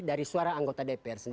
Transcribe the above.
dari suara anggota dpr